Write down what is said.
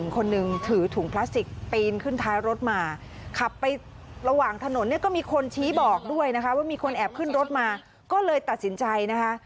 ขึ้นท้ายรถมาขับไประหว่างถนนเนี้ยก็มีคนชี้บอกด้วยนะคะว่ามีคนแอบขึ้นรถมาก็เลยตัดสินใจนะคะ